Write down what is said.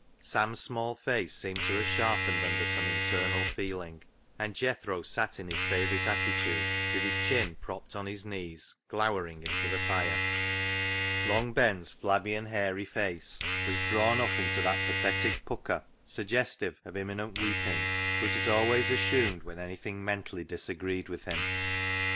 Sam's small face seemed to have sharpened under some internal feeling, and Jethro sat in his favourite attitude, with his chin propped on his knees, glowering into the fire. Long Ben's flabby and hairy face was drawn up into that pathetic pucker suggestive of imminent weep ing, which it always assumed when anything mentally disagreed with him.